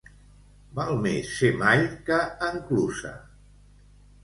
Val més ser mall que enclusa.